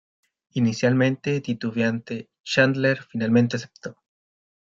Inicialmente titubeante, Chandler finalmente aceptó.